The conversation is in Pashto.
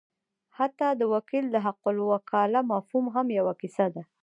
حتی د وکیل د حقالوکاله مفهوم هم یوه کیسه ده.